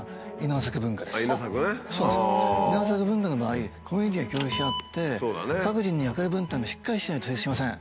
稲作文化の場合コミュニティーが協力し合って各人の役割分担がしっかりしてないと成立しません。